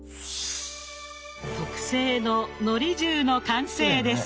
特製ののり重の完成です。